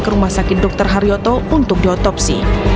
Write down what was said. ke rumah sakit dr haryoto untuk diotopsi